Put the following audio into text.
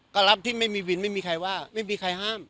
ก็รับที่ไม่มีวินไม่มีใครว่าไม่มีใครห้าม